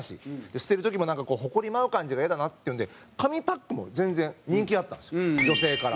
捨てる時も、ホコリ舞う感じがイヤだなっていうので紙パックも全然人気あったんですよ、女性から。